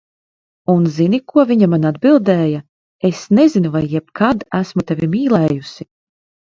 Un zini, ko viņa man atbildēja, "Es nezinu, vai jebkad esmu tevi mīlējusi."